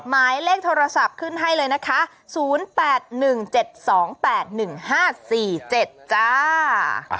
หมายเลขโทรศัพท์ขึ้นให้เลยนะคะ๐๘๑๗๒๘๑๕๔๗จ้า